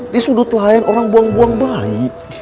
di sudut lain orang buang buang baik